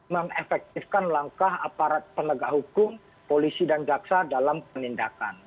mengefektifkan langkah aparat penegak hukum polisi dan jaksa dalam penindakan